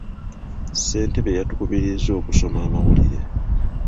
Ssentebe yatukubirizza okusoma amawulire .